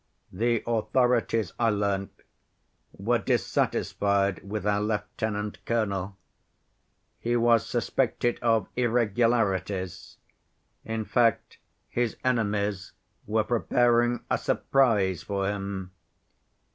The authorities, I learnt, were dissatisfied with our lieutenant‐colonel. He was suspected of irregularities; in fact, his enemies were preparing a surprise for him.